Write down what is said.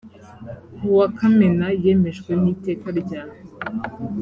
ku wa kamena yemejwe n iteka rya